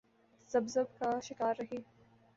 تذبذب کا شکار رہی۔